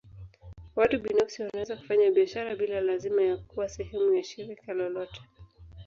Watu binafsi wanaweza kufanya biashara bila lazima ya kuwa sehemu ya shirika lolote.